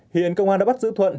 hiện công an đã bắt giữ thuận